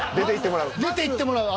出ていってもらう。